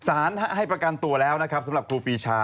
ให้ประกันตัวแล้วนะครับสำหรับครูปีชา